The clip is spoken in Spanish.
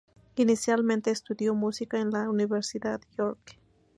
Inicialmente estudió música en la Universidad York.